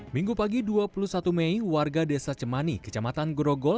minggu pagi dua puluh satu mei warga desa cemani kecamatan grogol